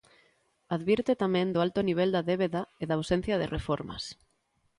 Advirte tamén do alto nivel da débeda e da ausencia de reformas.